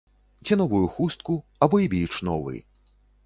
Ці новую хустку, або і біч новы!